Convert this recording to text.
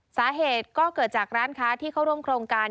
สาเหตุก็เกิดจากร้านค้าที่เข้าร่วมโครงการ